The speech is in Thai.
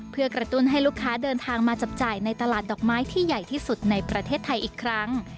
เพื่อกระตุ้นให้ลูกค้าเดินทางมาจับจ่ายในตลาดดอกไม้ที่ใหญ่ที่สุดในประเทศไทยอีกครั้ง